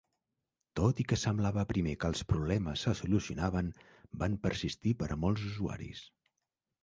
Tot i que semblava primer que els problemes se solucionaven, van persistir per a molts usuaris.